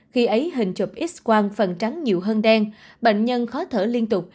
khi ấy hình chụp x quang phần trắng nhiều hơn đen bệnh nhân khó thở liên tục